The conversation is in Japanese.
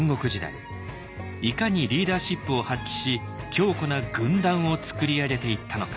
いかにリーダーシップを発揮し強固な軍団をつくり上げていったのか。